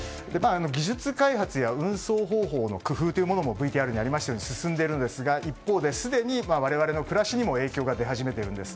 技術開発や運送方法の工夫というものもＶＴＲにありましたが進んでいますが一方で、すでに我々の暮らしにも影響が出始めているんです。